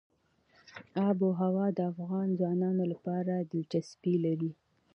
آب وهوا د افغان ځوانانو لپاره دلچسپي لري.